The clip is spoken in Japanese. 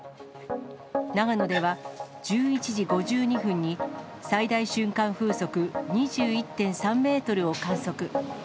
長野では、１１時５２分に最大瞬間風速２１．３メートルを観測。